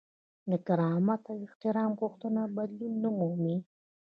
د کرامت او احترام غوښتنه بدلون نه مومي.